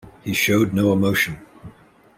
He showed no emotion.